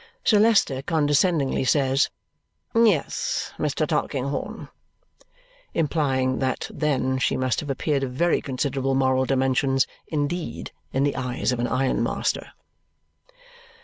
Sir Leicester condescendingly says, "Yes, Mr. Tulkinghorn," implying that then she must have appeared of very considerable moral dimensions indeed in the eyes of an iron master.